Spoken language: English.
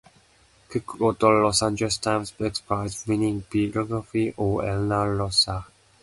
Cook wrote a Los Angeles Times Book Prize winning biography of Eleanor Roosevelt.